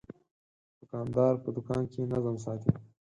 دوکاندار په دوکان کې نظم ساتي.